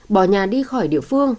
bỏ nhà đi khỏi địa phương